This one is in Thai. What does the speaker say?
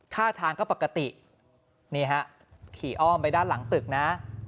ท่าทางก็ปกตินี่ฮะขี่อ้อมไปด้านหลังตึกนะ